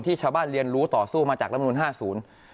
ที่ชาวบ้านเรียนรู้ต่อสู้มาจากรมนุน๕๐